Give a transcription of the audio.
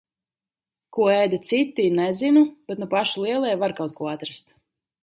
Ko ēda citi -–nezinu, bet nu paši lielie, var kaut ko atrast.